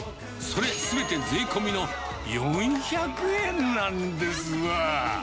それすべて税込みの４００円なんですわ。